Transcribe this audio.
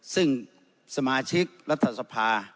ซึ่งสมาชิกรัฐสภา